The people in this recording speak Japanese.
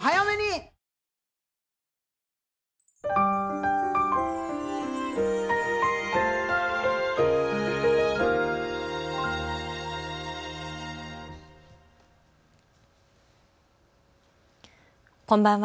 こんばんは。